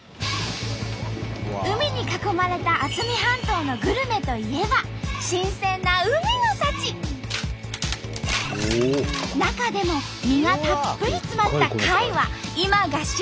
海に囲まれた渥美半島のグルメといえば新鮮な中でも身がたっぷり詰まった貝は今が旬！